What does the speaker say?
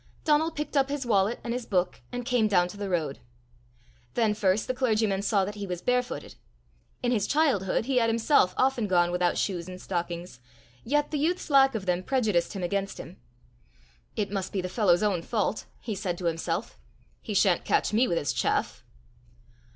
Donal picked up his wallet and his book, and came down to the road. Then first the clergyman saw that he was barefooted. In his childhood he had himself often gone without shoes and stockings, yet the youth's lack of them prejudiced him against him. "It must be the fellow's own fault!" he said to himself. "He shan't catch me with his chaff!"